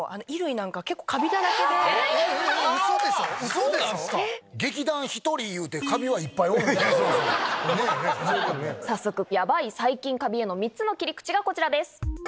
そうなんすか⁉早速ヤバい細菌・カビへの３つの切り口がこちらです。